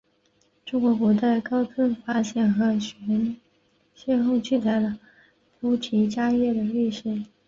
中国古代高僧法显和玄奘先后记载了菩提伽耶的历史。